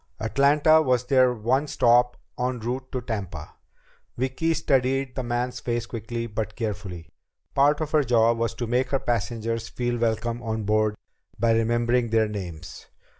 Atlanta was their one stop en route to Tampa. Vicki studied the man's face quickly but carefully. Part of her job was to make her passengers feel welcome on board by remembering their names.